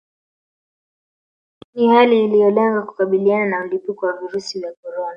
Ni hali iliolenga kukabiliana na mlipuko wa virusi vya corona